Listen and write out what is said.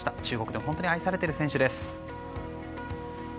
中国でも本当に愛されている選手です。